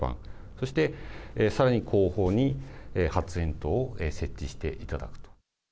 そして、更に後方に発炎筒を設置していただくと。